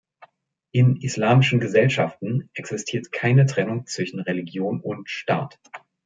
In islamischen Gesellschaften existiert keine Trennung zwischen Religion und Staat.